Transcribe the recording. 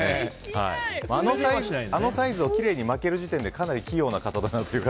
あのサイズをきれいに巻ける時点でかなり器用な方だなと。